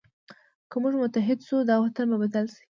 که موږ متحد شو، دا وطن به بدل شي.